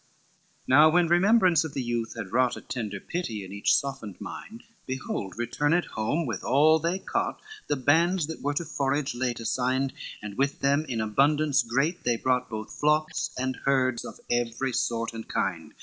XLVII Now when remembrance of the youth had wrought A tender pity in each softened mind, Behold returned home with all they caught The bands that were to forage late assigned, And with them in abundance great they brought Both flocks and herds of every sort and kind.